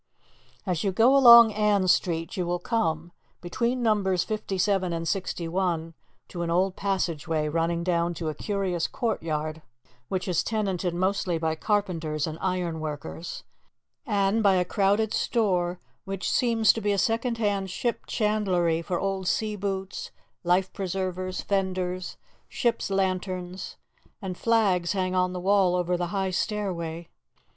As you go along Ann Street, you will come, between numbers 57 and 61, to an old passage way running down to a curious courtyard, which is tenanted mostly by carpenters and iron workers, and by a crowded store which seems to be a second hand ship chandlery, for old sea boots, life preservers, fenders, ship's lanterns, and flags hang on the wall over the high stairway.